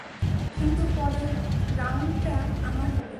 কিন্তু পরের রাউন্ডটা আমার হবে।